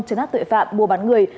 cho nát tội phạm mua bán người